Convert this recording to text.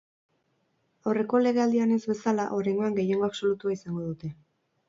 Aurreko legealdian ez bezala, oraingoan gehiengo absolutua izango dute.